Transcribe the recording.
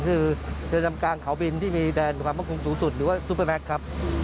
คือเรือนจำกลางเขาบินที่มีแดนความมั่นคงสูงสุดหรือว่าซูเปอร์แม็กซ์ครับ